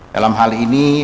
dalam hal ini